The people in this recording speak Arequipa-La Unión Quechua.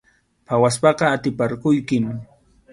Phawaspaqa atiparquykim.